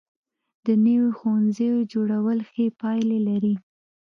د نویو ښوونځیو جوړول ښې پایلې لري.